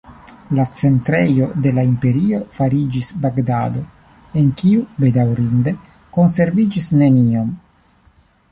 La centrejo de la imperio fariĝis Bagdado, en kiu bedaŭrinde konserviĝis neniom.